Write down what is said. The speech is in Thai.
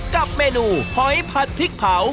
กับเมนูหอยผัดพริกเผา